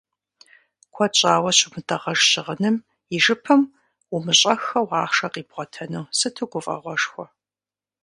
Куэд щӏауэ щыумытӏагъэж щыгъыным и жыпым умыщӏэххэу ахъшэ къибгъуатэну сыту гуфӏэгъуэшхуэ.